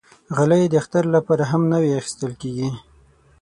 غالۍ د اختر لپاره هم نوی اخېستل کېږي.